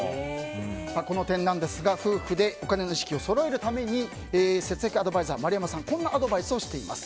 この点ですが夫婦でお金の意識をそろえるために節約アドバイザー、丸山さんこんなアドバイスをしています。